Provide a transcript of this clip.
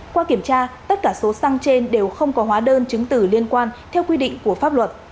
qua kiểm tra tất cả số xăng trên đều không có hóa đơn chứng tử liên quan theo quy định của pháp luật